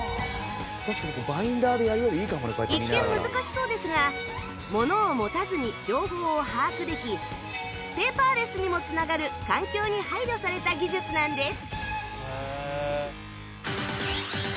一見難しそうですがものを持たずに情報を把握できペーパーレスにも繋がる環境に配慮された技術なんです